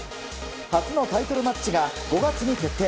初のタイトルマッチが５月に決定。